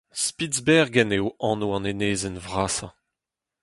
Spitsbergen eo anv an enezenn vrasañ.